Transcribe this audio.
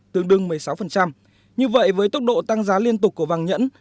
tương đương một mươi sáu như vậy với tốc độ tăng giá liên tục của vàng nhẫn